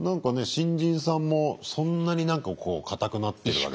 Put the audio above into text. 新人さんもそんなになんか硬くなってるわけでもなく。